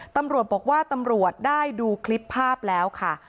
ตำรวจบอกว่าตำรวจได้ดูคลิปภาพแล้วค่ะ